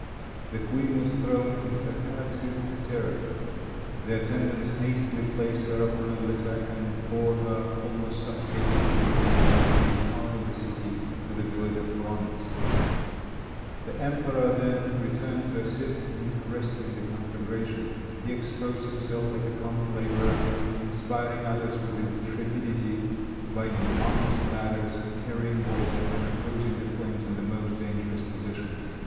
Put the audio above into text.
The queen was thrown into a paroxysm of terror; the attendants hastily placed her upon a litter and bore her, almost suffocated, through the blazing streets out of the city, to the village of Kolomensk. The emperor then returned to assist in arresting the conflagration. He exposed himself like a common laborer, inspiring others with intrepidity by mounting ladders, carrying water and opposing the flames in the most dangerous positions.